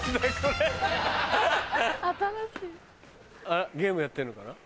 あらゲームやってんのかな？